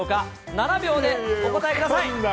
７秒でお答えください。